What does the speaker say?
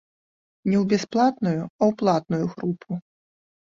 Не ў бясплатную, а ў платную групу.